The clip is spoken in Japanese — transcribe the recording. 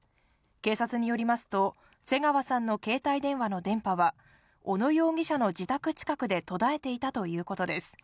警察によりますと、瀬川さんの携帯電話の電波は、小野容疑者の自宅近くで途絶えていたということです。